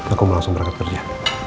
aku langsung berangkat kerja